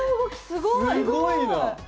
すごいな。